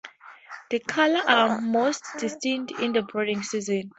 The colors are most distinct in the breeding season.